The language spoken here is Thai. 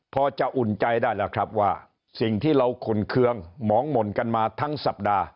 พอจะอุ่นใจได้แล้วครับว่าสิ่งที่เราขุนเคืองหมองหม่นกันมาทั้งสัปดาห์